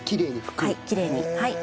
はいきれいに。